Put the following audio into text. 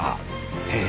へえ！